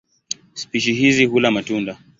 Spishi hizi hula matunda.